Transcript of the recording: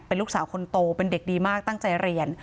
เป็นลูกสาวคนโตเป็นเด็กดีมากตั้งใจเรียน